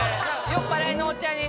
酔っぱらいのおっちゃんに。